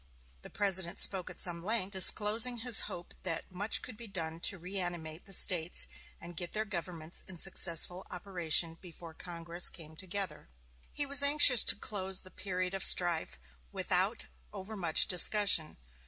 The President spoke at some length, disclosing his hope that much could be done to reanimate the States and get their governments in successful operation before Congress came together. He was anxious to close the period of strife without over much discussion.